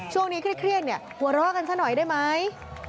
ช่วงนี้เครียดเนี่ยหัวเราะกันซะหน่อยได้ไหม